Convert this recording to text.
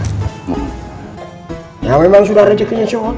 tidak salah yang memang sudah rezekinya seorang